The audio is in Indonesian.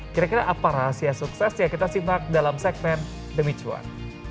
kira kira apa rahasia suksesnya kita simak dalam segmen demi cuan